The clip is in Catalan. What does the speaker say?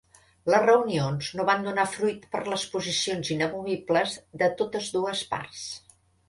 Les reunions no van donar fruit per les posicions inamovibles de totes dues parts.